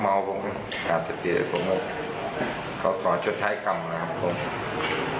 ผมอาจสะเกลียดผมเนอะเอาขอชดใช้กรรมมาผม